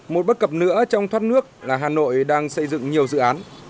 một bất cập nữa trong thoát nước là hà nội đang xây dựng nhiều dự án